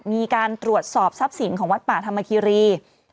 มีการตรวจสอบทรัพย์สินของวัดป่าธรรมคิรี